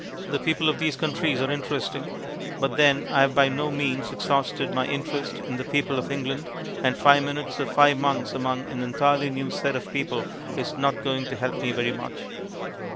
The people of these countries are interesting, but then I have by no means exhausted my interest in the people of England, and five minutes or five months among an entirely new set of people is not going to help me very much.